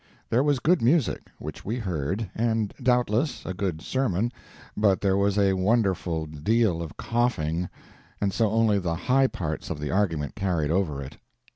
There was good music, which we heard, and doubtless a good sermon, but there was a wonderful deal of coughing, and so only the high parts of the argument carried over it.